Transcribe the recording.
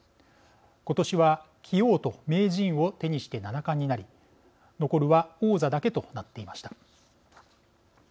今年は棋王と名人を手にして七冠になり残るは王座だけとなっていました。